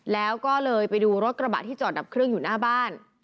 แล้วก็เลยไปดูรถกระบะที่จอดดับเครื่องอยู่หน้าบ้าน